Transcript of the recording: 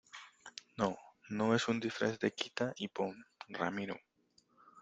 no, no es un disfraz de quita y pon , Ramiro.